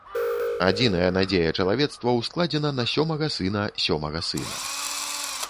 Адзіная надзея чалавецтва ўскладзена на сёмага сына сёмага сына.